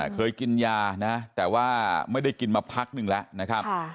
เคยกินยานะแต่ว่าไม่ได้กินมาพักหนึ่งแล้วนะครับ